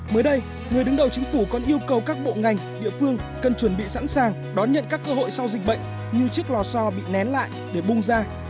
mới đây người đứng đầu chính phủ còn yêu cầu các bộ ngành địa phương cần chuẩn bị sẵn sàng đón nhận các cơ hội sau dịch bệnh như chiếc lò so bị nén lại để bung ra